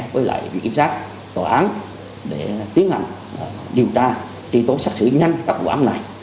với lại việc kiểm soát tòa án để tiến hành điều tra tri tố xác xử nhanh các vụ án này